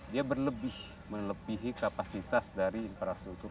dia berlebih melebihi kapasitas dari infrastruktur